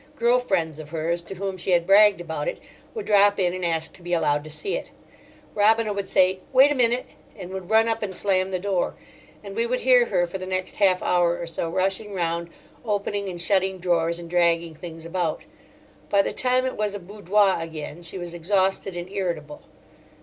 Girl friends of hers, to whom she had bragged about it, would drop in and ask to be allowed to see it. Robina would say, "Wait a minute," and would run up and slam the door; and we would hear her for the next half hour or so rushing round opening and shutting drawers and dragging things about. By the time it was a boudoir again she was exhausted and irritable.